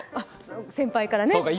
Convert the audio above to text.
先輩からね。